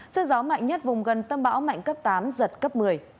sức gió mạnh nhất vùng gần tâm bão mạnh cấp tám giật cấp một mươi